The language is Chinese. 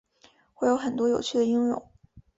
会有很多有趣的应用